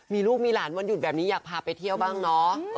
มีลูกมีหลานวันหยุดแบบนี้อยากพาไปเที่ยวบ้างเนาะ